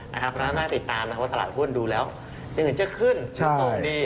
เพราะน่าจะติดตามว่าตลาดหุ้นดูแล้วยังเห็นจะขึ้นจะตกดี